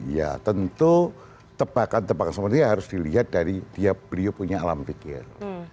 ya tentu tebakan tebakan seperti ini harus dilihat dari beliau punya alam pikir